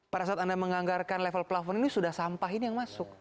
pada saat anda menganggarkan level plafon ini sudah sampah ini yang masuk